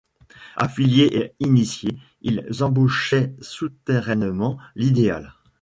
Affiliés et initiés, ils ébauchaient souterrainement l’idéal.